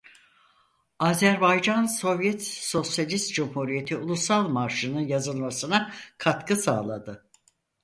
Azerbaycan Sovyet Sosyalist Cumhuriyeti ulusal marşı'nın yazılmasına katkı sağladı.